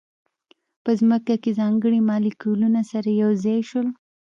په ځمکه کې ځانګړي مالیکولونه سره یو ځای شول.